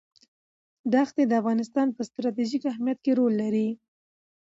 دښتې د افغانستان په ستراتیژیک اهمیت کې رول لري.